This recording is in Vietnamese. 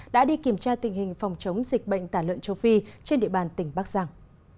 đã đi kiểm tra tình hình phòng chống dịch bệnh tả lợn châu phi trên địa bàn tỉnh bắc giang